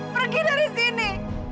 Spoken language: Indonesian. pergi dari sini